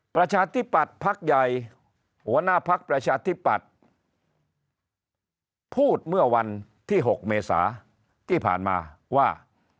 ประชาธิปัตย์พักใหญ่หัวหน้าพักประชาธิปัตย์พูดเมื่อวันที่๖เมษาที่ผ่านมาว่า